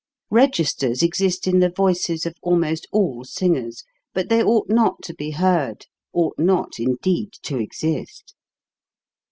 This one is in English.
Registers exist in the voices of almost all singers, but they ought not to be heard, ought not, indeed, to exist.